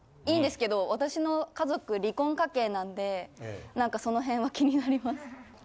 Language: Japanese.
いいんですけど私の家族離婚家系なんで何かその辺は気になります。